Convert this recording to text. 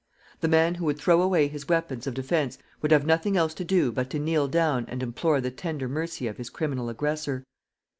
The man who would throw away his weapons of defense would have nothing else to do but to kneel down and implore the tender mercy of his criminal aggressor.